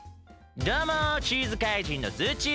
どうもチーズ怪人のズッチーです！